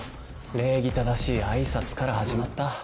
礼儀正しい挨拶から始まった。